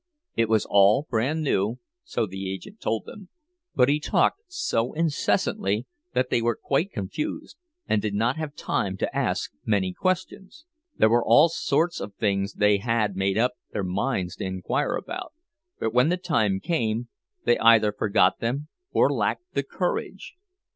It was all brand new, so the agent told them, but he talked so incessantly that they were quite confused, and did not have time to ask many questions. There were all sorts of things they had made up their minds to inquire about, but when the time came, they either forgot them or lacked the courage.